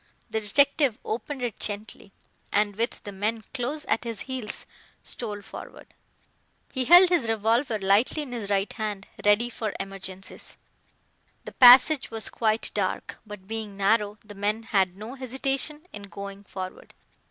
The detective opened it gently, and with the men close at his heels stole forward. He held his revolver lightly in his right hand, ready for emergencies. The passage was quite dark, but being narrow, the men had no hesitation in going forward.